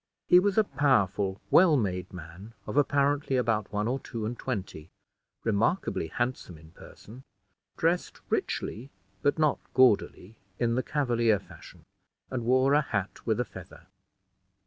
He was a powerful, well made man, of apparently about one or two and twenty, remarkably handsome in person, dressed richly, but not gaudily, in the Cavalier fashion, and wore a hat with a feather.